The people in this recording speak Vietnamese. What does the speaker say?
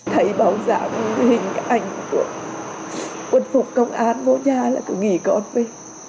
thấy báo giảm hình ảnh của quân phục công an vô nhà là cứ nghĩ con về